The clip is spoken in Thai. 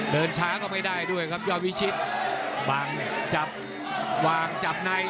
เดินช้าก็ไม่ได้ด้วยครับยอดวิชิตบังจับวางจับใน